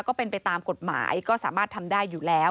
ก็เป็นไปตามกฎหมายก็สามารถทำได้อยู่แล้ว